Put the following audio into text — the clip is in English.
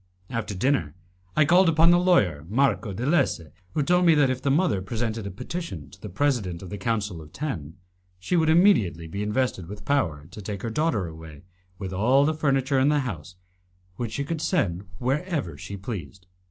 After dinner, I called upon the lawyer, Marco de Lesse, who told me that if the mother presented a petition to the President of the Council of Ten, she would immediately be invested with power to take her daughter away with all the furniture in the house, which she could send wherever she pleased.